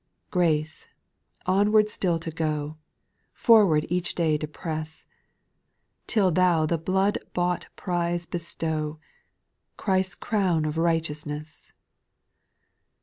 .* 8. ■ Grace, onward still to go. Forward each day to press, Till Thou the blood bought prize bestow, Christ's crown of righteousness.